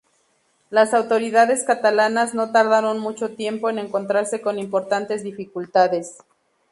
Las autoridades catalanas no tardaron mucho tiempo en encontrarse con importantes dificultades.